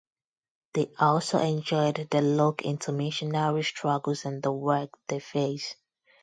They also enjoyed the look into missionaries' struggles and the work they face.